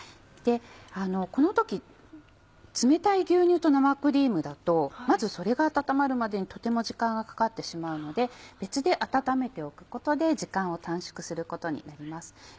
この時冷たい牛乳と生クリームだとまずそれが温まるまでにとても時間がかかってしまうので別で温めておくことで時間を短縮することになります。